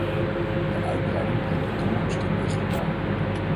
De uitbreiding brengt dit doel een stuk dichter bij.